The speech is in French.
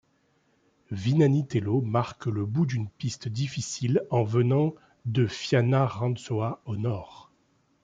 Vinanitelo marque le bout d'une piste difficile en venant de Fianarantsoa au nord.